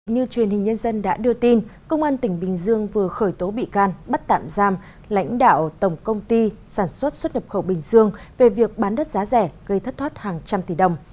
như truyền hình nhân dân đã đưa tin công an tỉnh bình dương vừa khởi tố bị can bắt tạm giam lãnh đạo tổng công ty sản xuất xuất nhập khẩu bình dương về việc bán đất giá rẻ gây thất thoát hàng trăm tỷ đồng